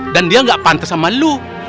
dan dia gak pantas sama lu